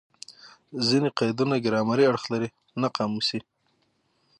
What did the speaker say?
ځیني قیدونه ګرامري اړخ لري؛ نه قاموسي.